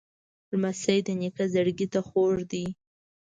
لمسی د نیکه زړګي ته خوږ دی.